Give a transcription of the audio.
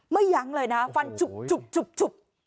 ไม่ยั้งเลยนะฟันจุบ